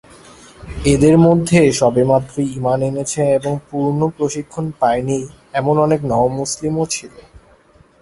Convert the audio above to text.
এদের মধ্যে সবেমাত্র ঈমান এনেছে এবং পূর্ণ প্রশিক্ষণ পায়নি এমন অনেক নও-মুসলিমও ছিলো।